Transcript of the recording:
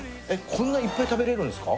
こんないっぱい食べれるんすか？